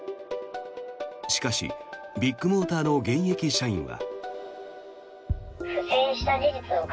しかし、ビッグモーターの現役社員は。